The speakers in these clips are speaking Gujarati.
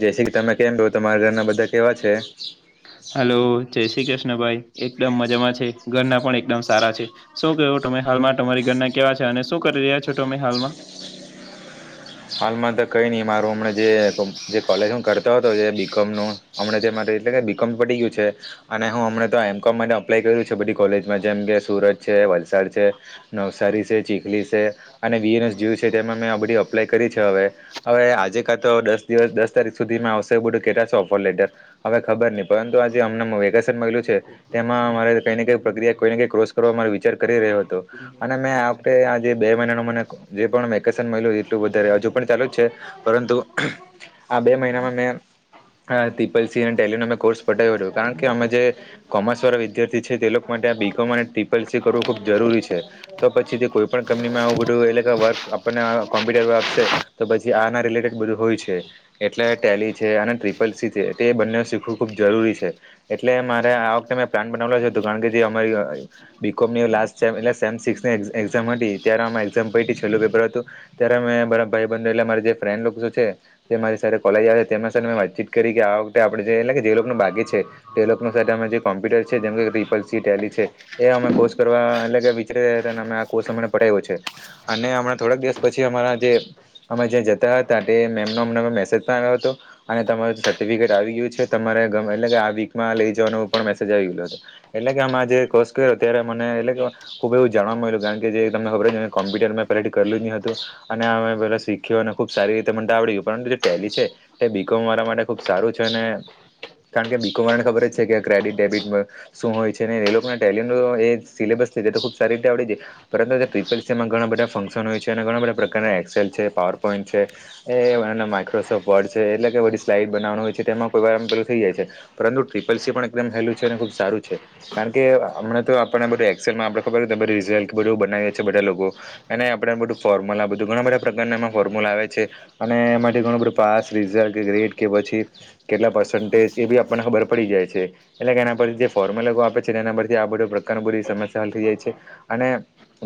જૈસી કે તમે કેમ છો, તમારા ઘરના બધા કેવા છે? હલો જય શ્રી કૃષ્ણ ભાઈ એકદમ મજામાં છે, ઘરના પણ એકદમ સારા છે. શું કેવું તમે હાલમાં તમારી ઘરના કેવા છે, અને શું કરી રહ્યા છો તમે હાલમાં? હાલમાં તો કઈ ની મારું હમણા જે કોલેજ કરતો હતો જે બીકોમ નું હમણા જે મારે એટલે કે બી કોમ પટી ગયું છે. અને હું હમણે તો એમ કોમ માટે અપ્લાય કયરું છે, બધી કોલેજમાં જેમ કે સુરત છે, વલસાડ છે. નવસારી છે, ચીખલી છે, અને V N S G U છે, તેમાં મેં અ બધી અ અપ્લાય કરી છે હવે હવે આજે કાં તો દસ દિવસ દસ તારીખ સુધીમાં આવશે એ બધું કેટા છે ઓફર લેટર હવે ખબર નહી પરંતુ આ જે અમને વેકેશન મલ્યું છે. એમાં અમારે કઈ ને કઈ પ્રક્રિયા કોઈને કઈ ક્રોસ કરવા મારો વિચાર કરી રહ્યો હતો. અને મેં આ વખતે આ જે બે મહિના નું મને જે પણ વેકેશન મલ્યું વધારે હજુ પણ ચાલુ જ છે પરંતુ આ બે મહિનામાં મેં તીપલ સી અને ટેલી નો મેં કોર્સ પાટાઈ વર્યો કારણ કે અમે જે કોમર્સ વાળા વિદ્યાર્થી છે તે લોકો માટે આ બી. કોમ. અને ટિપલ સી કરવું ખૂબ જરૂરી છે. તો પછી તે કોઈ પણ કંપનીમાં આવું બધું એટલે કે વર્ક આપને કોમ્પ્યુટર આપશે તો પછી આના રિલેટેડ બધું હોય છે. એટલે ટેલી છે, અને ટ્રિપલસી છે, તે બંને શીખવું ખુબ જરૂરી છે. એટલે મારે આ વખતે મેં પ્લાન બનાવલો જ હતો કારણ કે જે અમારી બીકોમની લાસ્ટ સેમ એટલે સેમ સિક્સની એક એક્ઝામ હતી ત્યારે અમે એક્ઝામ પયતી છેલ્લું પેપર હતું ત્યારે મેં બધા ભાઈ બંધ એટલે મારા જે ફ્રેન્ડ લોકો છે. તે મારી સાથે કોલેજ આવે તેમના સાથ મેં વાતચીત કરી કે આ વખતે આપણે જે એટલે કે જે લોકોનુ બાકી છે. તે લોકોનુ સાથે અમે જે કોમ્પ્યુટર છે, જેમ કે ત્રિપલસી ટેલી છે. એ અમે કોર્સ કરવા એટલે કે વિચારી રહ્યા હતા અમે આ કોર્સ અમણા પટાયવો છે, અને હમણા થોડાક દિવસ પછી અમારા જે અમે જ્યાં જતા હતા તે મેમનો અમ મેસેજ પણ આવ્યો હતો. અને તમાર સર્ટિફિકેટ આવી ગયું છે, તમારે એટલે કે આ વીકમાં લઈ જવાનો પણ મેસેજ આવી ગયલો હતો. એટલે કે આમા જે કોસ્ક ત્યારે મને એટલે કે ખુબ એવુ જાણવા મયલુ કારણ કે જે તમને ખબર જ કોમ્પુટર મે પેલેથી કરલું જ ની હ તુ અને હવે પેલા શીખ્યું અને ખુબ સારી રીતે મન ત આવડી ગય પરંતુ જે ટેલી છે. તે બીકોમ મારા માટે ખુબ સારું છે, અને કારણ કે બીકોમ એને ખબર જ છે, કે ક્રેડિટ ડેબિટ શું હોય છે, ને એ લોકો ટેલી એ સિલેબસ લીધે છે, તે તો ખુબ સારી રીતે આવડી જાય પરંતુ ટિપલસીમાં ઘણા બધા ફંક્શન હોય છે, અને બધા પ્રકારના એક્સેલ છે, પાવર પોઈન્ટ છે. એ માઇક્રોસોફ્ટ વર્ડ છે, એટલે કે બધી સ્લાઈડ બનાવવાનું હોય છે, તેમાં કોઈ વાર આમ પેલું થઈ જાય છે. પરંતુ ટ્રિપલ સી પણ એકદમ હેલું છે, અને ખુબ સારું છે. કારણ કે હમણા તો આપણને બધું એક્શનમાં આપણે ખબર [unintelligible] બધું બનાવીએ બધા લોકો એને આપણે બધું ફોર્મુલા બધું ઘણા બધા પ્રકારના એમાં ફોર્મુલા આવે છે. અને એમાંથી ઘણું બધું પાસ રિઝલ્ટ કે ગ્રેડ કે પછી કેટલા પર્સન્ટેજ એ બી આપણને ખબર પડી જાય છે. એટલે કે એના પરથી જે ફોર્મુલ આપે છે, એના પરથી આ બધ પ્રકારની બધી સમસ્યા હલ થઈ જાય છે, અને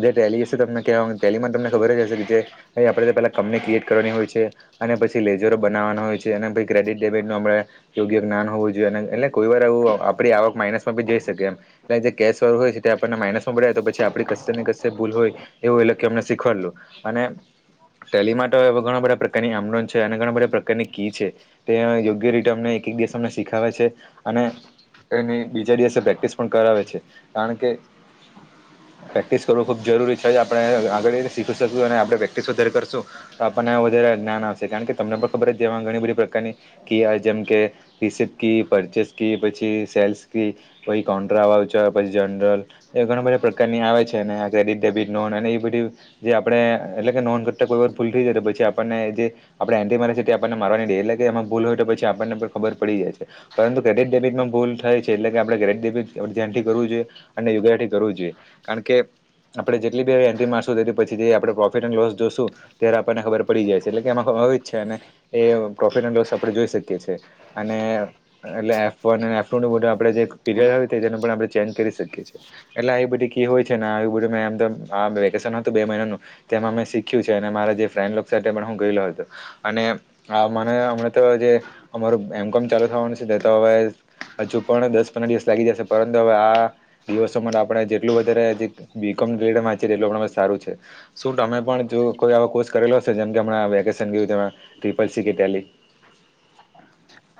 જે ટેલી હશે તમને કેવામાં ટેલિમાં તમને ખબર જ હશે, જે એ આપડે પેલા કમની ક્રિએટ કરવાની હોય છે અને પછી લેઝરો બનાવવાના હોય છે, અને પછી ક્રેડિટ ડેબિટ નુ અમણે યોગ્ય જ્ઞાન હોવું જોઈએ અને એટલે કોઈ વાર એવુ આપણી આવક માઇનસમાં બી જઈ શકે એમ ત્યાં જે કેશવાળું હોય છે, તે આપડના માઇનસમાં બોલે તો પછી આપડી કશેની કશે ભૂલ હોય એવું એટલે કે હમણાં સિક ખવલું અને ટેલીમા ત ઘણા બધા પ્રકારની આમનોધ છે, અને ઘણા બધા પ્રકારની કી છે. તે યોગ્ય રીતે અમને એક એક દિવસ અમને શીખાવે છે, અને એની બીજા દિવસે પ્રેક્ટિસ પણ કરાવે છે, કારણ કે પ્રેક્ટિસ કરવું ખુબ જરૂરી છે, ત જ આપણે આગળી શીખી શકશું અને આપણે પ્રેક્ટિસ વધારે કરશું તો આપણને વધારે જ્ઞાન આવશે કારણ કે તમને પણ ખબર તેમા ઘણી બધી પ્રકારની કીઆ જેમ કે રિસીપ કી પરચેસ કુ પછી સેલ્સ કી પહી કોન્ટરા વાવચર પહી જનરલ એ ઘણા બધા પ્રકારની આવે છે, અને આ ક્રેડિટ ડેબિટ નોન અને એ બધી જે આપણે એટલે કે નોધ કર કોઈ વાર ભુલ થય જાય ત પછી આપણને જે આપણેે એન્ટી મારે છે, આપણને મારવાની ડે લાગે એમાં ભૂલ હોય તો પછી આપણને પણ ખબર પડી જાય છે. પરંતુ ક્રેડિટ ડેબિટ ન ભલ થાય છે એટલે કે આપણે ક્રેડિટ ડેબિટ ધ્યાનથી કરવ જોઈએ અને યોગરાથી કરવું જોઈએ કારણ કે આપણે જેટલી બી હ એ માણશું પછી જે આપણે પ્રોફિટ એડ લોસ જોશું ત્યારે આપણને ખબર પડી જાય છે એટલે એમાં જ છેને. એ પ્રોફિટ એડ લોસ આપણે જોઈ શકીએ છેએ અને એટલે એફ વન એ એફ [unintelligible] ત્યાં આપડે જે [unintelligible] કે જે નંબર આપડે ચેન્જ કરી શકીએ છીએ. એટલે આવી બધી કી હોય છે, ને બધું મે તેમ આ વેકેશન હ બે મહિનાનું તેમાં મેં શીખ્યું છે, અને મારા જે ફ્રેન્ડ સાથે પણ હું ગયેલો હતો. અને આ મને હમણા તો જે અમારું એમ કોમ ચાલુ થવાનું છે, તો હવે હજુ પણ દસ પંદર દિવસ લાગી જશે પરંતુ હવે આ દિવસોમાં આપણે જેટલું વધારે જીત બીકોમ ગરેડ વાંચએ તેટલું સારું છે. શું તમે પણ જો કોઈ આો કોર્સ કરેલો હશે જેમ કે હમ વેકેશન ગયું ટ્રિપલ સી કે ટેલી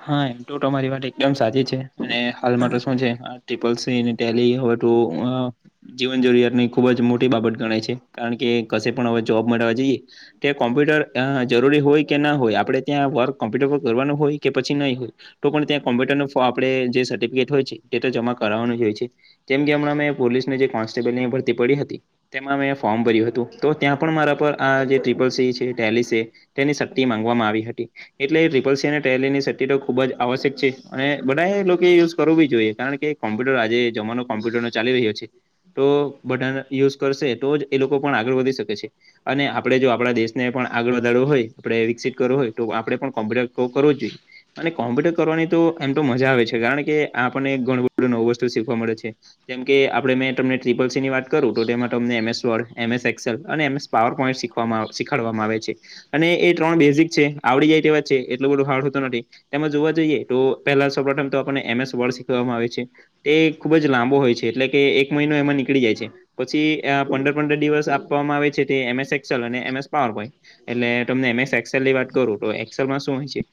હા એમ તોરી વાત એકદમ સાચી છે અને હાલમાં તો શું છે. ટિપલ સ ટેલી હવે તો જીવન જરૂરિયાત ની ખુબ જ મોટી બાબત ગણાય છે કારણ કે કશે પણ હવે જોબ મળવા જઈએ. કે કોમ્પ્યુટર અ જરૂરી હોય કે ના હોય આપડે ત્યાં વર્ક કોમ્પ્યુટર પર કરવાનું હોય. કે પછી નહીં હોય તો પણ ત્યાં કોમ્પ્યુટર આપણેે જે સર્ટિફિકેટ હોય છે તે તો જમા કરનું હોય છે. કેમ કે હમં પોલીસને જે કોન્સ્ટેબલ ભરતી પડી હતી. તેમાં મેં ફોર્મ ભર્યું હતું તો ત્યાં પણ મારા પર આ જે ટિપલ સી છે લી સ તેની સક્તિ માંગવામાં આવી હતી એટલે ટિપલ સ રલીની સ્ટટો ખુબ જ આવશ્યક છે અને બધા લોકો યુઝ કરવું બી જોઈએ કારણ કે કોમપ્યુટર આજેમાનો કમ્્યુટર નો ચાલી રહ્યો છે. તો બટાણ યુઝ કરશે તો જ એ લોકો પણ આગળ વધી શકે છે. અને આપડણે જો આપણા દેશને પણ આગળ વધારવું હોય આપડે વિકસિત કરવું હોય તો આપડે પણ કોમ્પ્યુટર કરવો જોઈએ અને કોમ્પ્યુટર કરવાની તો એમ તો મજા આવે છે કારણ કે આપણને ઘણું બધું નવું વસ્તુ શીખવા મળે છે. જેમ કે આપે મેં તમને ટ્રિપલ સી ની વાત કરું તો તેમાં તમને એમસ વડ એમસ એસેલ અને એસ પાવર પોઈન્ટ શીખવામાં શીખાડવામાં આવે છે અને એ ત્રણ બેઝિક છે આવડી જાય તેવા છે. એટ બધ હાર્ડતો નથી તેમાં જોવા જઈએ તો પેલા સૌ પ્રથમ તોને એમસ શીખવામાં આવે છે. તે ખુબ જ લાંબો હોય છે એટલે કે એક મહિનો એમાં નીકળી જાય છે. પછી પંદર પંદર દિવસ આપવામાં આવે છે તે એમ એસ એસેલ અને એમ એસ પાવર પોઈ એટલે તમને એમ એસ એક્સેલ ની વાત કરું તો એક્સેલમાં શું હોય.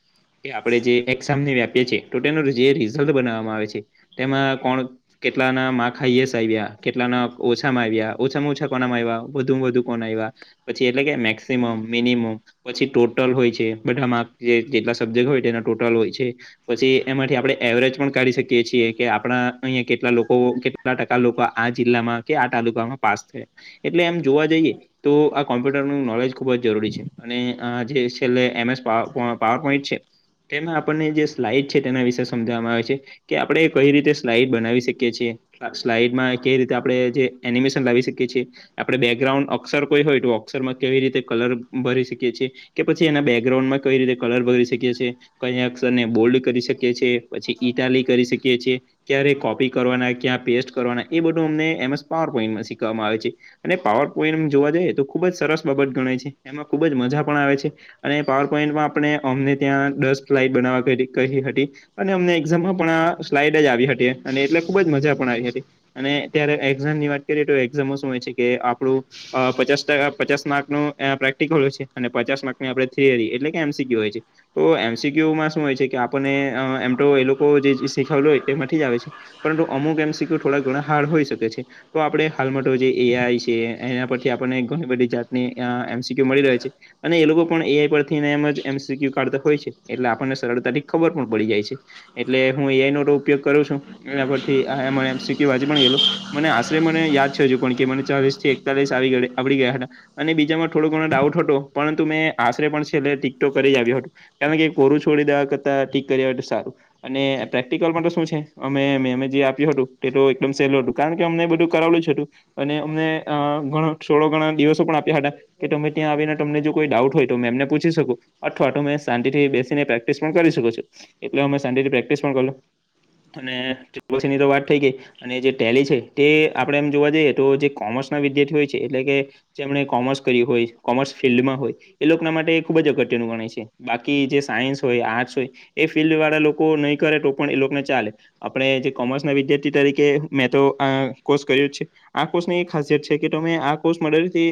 કે આપડણે જે એક્ઝામની વ્યાપીએ છીએ તો જે રિઝલ્ટ બનાવવામાં આવે છે. તેમાં કોણ કેટલાના મા ખાઈએસ આવ્યા કેટલાના ઓછામાં આવ્યા ઓછામાં ઓછા કોનામાં આવ્યા વધુ વધુ કોણ આવ્યા. પછી એટલે કે મેક્સિમમ મિનિમમ પછી ટોટલ હોય છે. બધામાં જે જેટલા સબ્જેક્ટ હોય તેના ટોટલ હોય છે. પછી એમાંથી આપણે એવરેજ પણ કાઢી શકીએ છીએ કે આપણા અહીયાં કેટલા લોકો કેટ કેટલા ટકા લોકો આ જિલ્લામાં કે આ તાલુકામાં પાસ થયા. એટલે એમ જોવા જઈએ તો આ કોમ્પ્યુટરનું નોલેજ ખુબ જ જરૂરી છે. અને જે છેલ્લે એમ એસ પાવર પોઈન્ટ છે તેમાં આપણને જે સ્લાઈડ છે તેના વિશે સમજવામાં આવે છે. કે આપણે કઈ રીતે સ્લાઈડ બનાવી શકીએ છીએ. સ્લાઈડમાં કેવી રીતે આપણે જે એનિમેશન લાવી શકીએ છીએ. આપડણે બેકગ્રાઉન્ડ અક્ષર કોઈ હોય તો અક્ષરમાં કેવી રીતે કલર ભરી શકીએ છીએ. કે પછી એના બેકગ્રાઉન્ડ માં કઈ રીતે કલર ભરી શકીએ છીએ ક અક્ષર ને બોલ્ડ કરી શકીએ છીએ પછી ઈટાલી કરી શકી છીએ. ક્યારે કોપી કરવાના ક્યાં પેસ્ટ કરવાના એ બધું અમને એમસ પાવર પોઈન્ટમાં શીખવામાં આવે છે. અને પાવર પોઈન્ટ જોવા જઈએ તો ખુબ જ સરસ બાબત ગણાય છે એમાં ખુબ જ મજા પણ આવે છે. અને પાવર પોઈન્ટમાં આપણે અમને ત્યાં દસ ફ્લાઇટ બનાવવા કહી હતી. અને અમને એઝામમાં પણ આ સ્લાઈડ જ આવી હતી અને એટલે ખુબ જ મજા પણ આવી હતી. અને અત્યારે એક્ઝામ ની વાત કરીએ તો એક્ઝામ શું હોય છે કે આપણું પચાસ ટ પચાસ માર્ક ન પ્રેક્ટિકલ હોય છે અને પચાસ માર્કની આપણે થિયરી એટકે એમ સી કયું હોય છે. તો એમસીક્યુમાં શું હોય છે કે આપણને એમ તો એ લોકો જે શીખાવલો હોય તે માંથી જ આવે છે. પરંતુ અમુક એમ શી કયું થોડાક ઘણા હાર્ડ હોઈ શકે છે. તો આપે હાલમાં જે એઆઈ છે એના પરથી આપણને ઘણી બધી જાતની એમસીક્યુ મળી રહે છે. અને એ લોકો પણ એ એમ જ એમસી્કયું કાઢતા હોય છે એટલે આપણને સરળતા થી ખબર પણ પડી જાય છે. એટલે હું એઆઈ નો તો ઉપયોગ કરું છું એના પરથી એમ સી કયું હજી પણ ગયેલું. મને આશરે મને યાદ છે કે મને ચાલીસ થી એકતાલીસ આવડી ગયા હતા. અને બીજામાં થોડો ઘણો ડાઉટ હતો પરંતુ મેં આશરે પણ છેલ્લે ટીક તો કરી જ આવ્યો હતું. કારણ કે કોરું છોડી દેવા કરતાં ટિક કર એ સારું અને પ્રેક્ટિકલમાં તો શું છે અમે મેંમે જે આપ્યું હતું તે તો એકદમ સહેલું હતું. કારણ કે અમને બધું કરાવલું જ હતું અને અમને થોડા ગણા દિવસો પણ આપ્યા હતા. કે તમે ત્યાં આવીને તમને જો કોઈ ડાઉટ હોય તો મેમને પૂછ શાંતિથી બેસીને પ્રેક્ટિસ પણ કરી શકો છું. એટલે અમે શાંતિથી પ્રેક્ટિસ પણ કર અને પછી ટ્રિપલ સી ની તો વાત થઈ ગઈ. અને જે ટેલી છે તે આપણે એમ જોવા જઈએ તો જે કોમર્સ ના વિદ્યાર્થીઓ હોય છે એટલે કે જેમણે કોમર્સ કર્યું હોય કોમર્સ ફિલ્ડમાં હોય એ લોકોના માટે ખૂબ જ અગત્યનું ગણાય છે બાકી જે સાયન્સ હોય આર્ટસ હોય એ ફિલ્ડ વાળા લોકો નહી કરે તો પણ એ લોકોને ચાલે. આપણે જે કોમર્સ ના વિદ્યાર્થી તરીકે મે તો કોર્સ કર્યો છે. આ કોર્ષ ની એ ખાસિયત છે કે તમે આ કોર્ષ મળેથી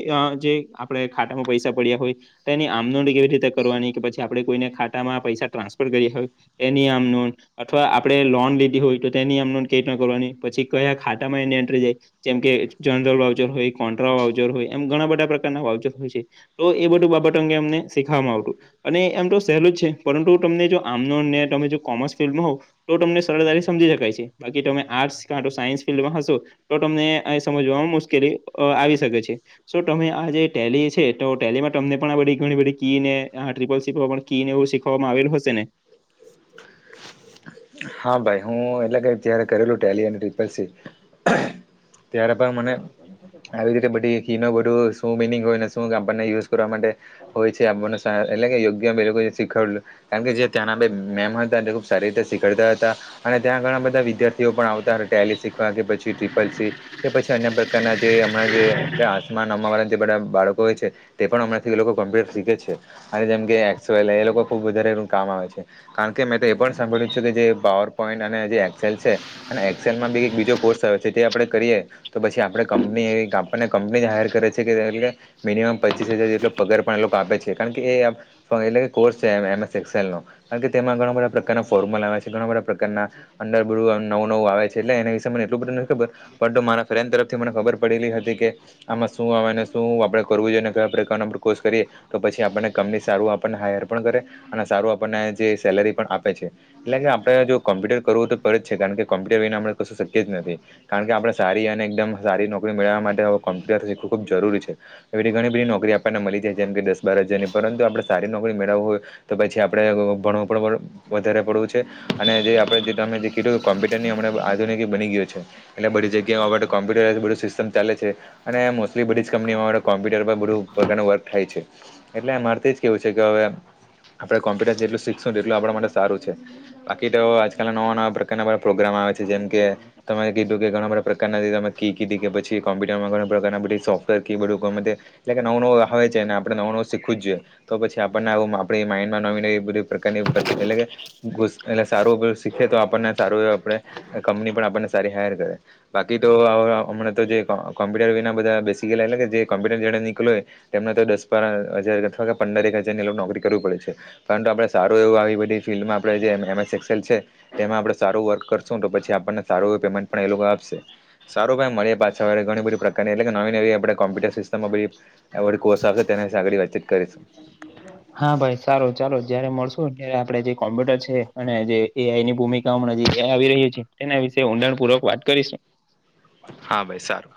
જે આપણે ખાતામાં પૈસા પડ્યા હોય એની આમદોડી કેવી રીતે કરવાની કે પછી આપડણે કોઈને ખાતામાં પૈસા ટ્રાન્સફર કરીએ એની આમ નોઘ અથવા આપે લોન લીધી હોય તો તેની આમ કઈ રીતના કરવાની પછી કયા ખાતામાં એની એન્ટ્રી જાય જેમ કે જનરલ વાઉચર હોય કોન્ટ્રા વાઉચર હોય એમ ઘણા બધા પ્રકારના વાઉચર હોય છે. તો એ બધું બાબતો અંગે અમને શીખવામાં આવતું. અને એમ તો સહેલું જ છે પરંતુ તમને જો આમનો તમે જો કોમર્સ ફિલ્ડમાં હોવ તો તમને સરળતાથી સમજી શકાય છે બાકી તમે આર્ટસ કાંતો સાયન્સ ફિલ્ડમાં હશો તો તમને આય સમજવામાં મુશ્કેલી આવી શકે છે. તો તમે આ જે ટેલી છે તો ટેલીમાં તમને પણ આ બધી ઘણી બધી કી ને ત્રિપલ સી પણ કી ને એવું શીખવામાં આવેલ હશે ને હા ભાઈ હું એટલે કત્યારે કરેલું ટેલી અને ત્રિપલ સી ત્યારે પણ મને આવીતે બધી કી નો બધું શું મિનિંગ હોય ને શું કામ ને યુઝ કરવા માટે હોય છે આપણને એટલે કે યોગ્ય લોકો શીખડું કારણ કે જે ત્યાંના બે મેમ હતા ખુબ સારી રીતે શીખડતા હતા. અને ત્યાં ઘણા બધા વિદ્યાર્થીઓ પણ આવતા હતા ટેલીસ શીખવા કે પછી ટ્રીિપલ સી કે પછી અન્ય પ્રકારના જે હમણાં જે આસમા નમવા વાળા જે બધા બાળકો હોય છે તે પણ હમણાંથી લોકો કોમ્પ્યુટર શીખે છે અને જેમ કે એ એ લોકો ખુબ વધારે એ કામ આવે છે કારણ કે મેં તો એ પણ સાંભળ્યું છું કે જે પાવર પોઈન્ટ અને જે એક્સેલ છે. અને એક્સેલમાં બી એક બીજો કોર્સ આવે છે તે આપણે કરીએ તો પછી આપે કંપની આપણને કંપની જ હાયર કરે છે કે મિનિમમ પચીસ હજાર જેટલો પગાર પણ એ લોકો આપે છે કારણ કે એ એટલે કે કોર્સ છેસ એક્લ નો કારણ કે તે ઘણા બધા-' ફોર્મલ આવે છે ઘણા બધા પ્રકારના અંદર આમ નવું નવું આવે છે એટલે એના વિશે મને એટલું બધું નથી ખબર પણ મારા ફ્રેન્ તરફથી મને ખબર પડેલી હતી કે આમાં શું આવે ને શું આપડે કરવું જોઈએ ને કયા પ્રકારનોકોષ કરીએ તો પછી આપણને કંપની સારું આપણને હાયર પણ કરે અને સારું આપણને જે સેલરી પણ આપે એટલે કે આપડે જો કોમ્્યુટર કરવું તો પર જ છે કારણ કે કોમ્પ્યુટર રહીને આપણે કશું શક્ય જ નથી કારણ કે આપણે સારી અને એકદમ સારી નોક. મેળવવા માટે કોમ્પ્યુટર શીખવું ખૂબ જરૂરી છે. એવીી ઘણી બધી નોકરી આપણને મળી જાય છે જેમ કે દસ બાર હજારની પરંતુ આપણે સારી નકરી મેળવવી હોય. તો પછી આપડે ભણું પણ વધારે પડવું છે અને જે આપણે જેમે જે કીધું કે કોમ્પ્યુટરની અમણા આધુનિક બની ગયું છે. એટલે બધી જગ્યાઓ કો્પ્યુટર બધું સિસ્ટમ ચાલે છે. અને મોસ્ટલી બધી જ કંપનીઓમાં કોમ્પ્યુટર પર બધું પ્રકારનું વર્ક થાય છે. એટલે અ મારેથી કેવું છે કે હવે આપડે કોમ્પ્યુટર જેટલું શીખશું એટલું આપણા માટે. સારું છે બાકી તો આજકાલના નવા નવા પ્રકારના બા પ્રોગ્રામ આવે છે જેમ કે તમે. કીધું કે ઘણા બધા પ્રકારના તમે કીધ કે પછી કોમ્પ્યુટરમાં ઘણા પ્રકારના બધી સોફ્ટવેર કી બધું ગમે. એટલે કે નવ નુંવે છેને આપણે નવ નુંીખવું જ જોઈએ. તો પછી આપણને આવ આપ માઇન્ડમાં નોમ બધી પ્રકારની. એટલે કે એટલે સારું શીખે તો આપણને સારું આપે. કંપની પણ આપણને સારી હાયર કરે. બાકી તો હમણાં તો જે કોમ્પ્યુટર વિના બધા બેસી ગયલા જે કોમ્પ્યુટર જે નીકળ્યોય. તેમને તો દસ બાર હજાર અથવા પંદર એક હજાર ની નોકરી કરવી પડે છે પરંતુ આપડણે સારું એવું આવી. ફિલ્ડમાં આપણે જે એમસ એક્સએલ છે. તેમાં આપડે સારું વર્ક કરશું તો પછી આપણને સારું એ પેમેન્ટ પણ એ લોકો આપશે. સારું ભાઈ મળે પાછાળ ઘણીધી પ્રકારની એટલે કે નવી નવી આપણે કોમ્પ્યુટર સિસ્ટમમાં બધી. એવ કોષખે તેને સાગળડી વ્યચત કરીશું. હા ભાઈ સારો ચાલો જયારે મળશો ત્યારે આપડે જે કોમ્પ્યુટર છે અને જે. એ આની ભૂમિકા નજી આવી ર્યું છે તેના વિશે ઊંડાણપૂર્વક વાત કરીશ. હા ભાઈ સારું